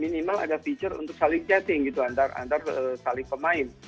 minimal ada fitur untuk saling chatting gitu antar saling pemain